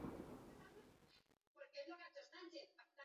Guztira, hogeiren bat hegalditan izan du eragina.